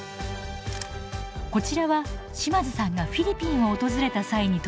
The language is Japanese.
こちらは島津さんがフィリピンを訪れた際に撮った写真。